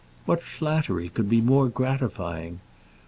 What flattery could be more gratifying?